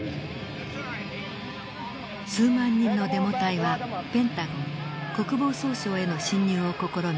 数万人のデモ隊はペンタゴン国防総省への侵入を試み